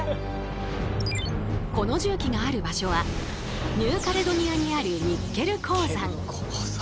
この重機がある場所はニューカレドニアにあるニッケル鉱山。